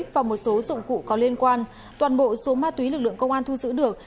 và một số dụng cụ có liên quan toàn bộ số ma túy lực lượng công an thu giữ được